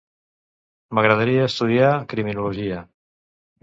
M'agradaria estudiar Criminologia.